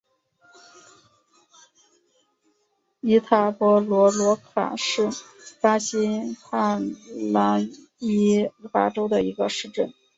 伊塔波罗罗卡是巴西帕拉伊巴州的一个市镇。